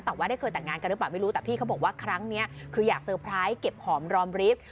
แต่ว่าได้เคยแต่งงานกันหรือเปล่าไม่รู้แต่พี่เขาบอกว่าครั้งนี้คืออยากเซอร์ไพรส์เก็บหอมรอมริฟท์